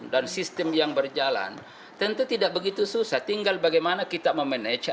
dan sistem yang berjalan tentu tidak begitu susah tinggal bagaimana kita memanage